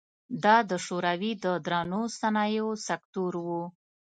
دا د شوروي د درنو صنایعو سکتور و.